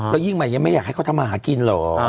แล้วยิ่งใหม่ยังไม่อยากให้เขาทำมาหากินเหรอ